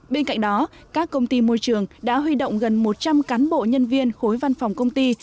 bên cạnh đó các công ty môi trường đã huy động gần một trăm linh cán bộ nhân viên khối văn phòng công ty